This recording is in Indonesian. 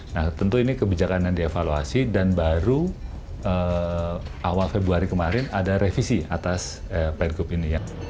nah tentu ini kebijakan yang dievaluasi dan baru awal februari kemarin ada revisi atas pergub ini